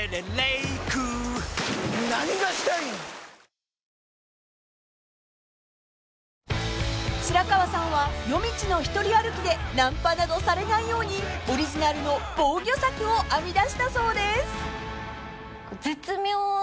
ニトリ［白河さんは夜道の一人歩きでナンパなどされないようにオリジナルの防御策を編み出したそうです］